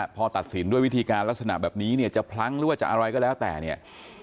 พอตัดสินด้วยวิธีการลักษณะแบบนี้เนี่ยจะพลั้งหรือว่าจะอะไรก็แล้วแต่เนี่ย